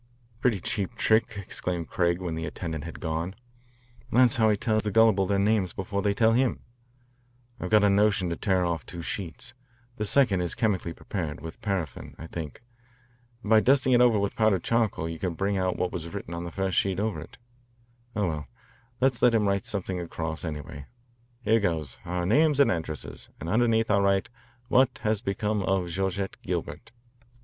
"A pretty cheap trick," exclaimed Craig when the attendant had gone. "That's how he tells the gullible their names before they tell him. I've a good notion to tear off two sheets. The second is chemically prepared, with paraffin, I think. By dusting it over with powdered charcoal you can bring out what was written on the first sheet over it. Oh, well, let's let him get something across, anyway. Here goes, our names and addresses, and underneath I'll write, 'What has become of Georgette Gilbert?'"